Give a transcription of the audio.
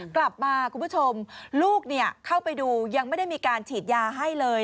กลับมาคุณผู้ชมลูกเข้าไปดูยังไม่ได้มีการฉีดยาให้เลย